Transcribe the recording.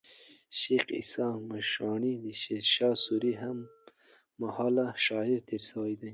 شېخ عیسي مشواڼى د شېرشاه سوري هم مهاله شاعر تېر سوی دئ.